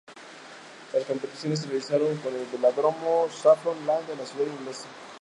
Las competiciones se realizaron en el Velódromo Saffron Lane de la ciudad inglesa.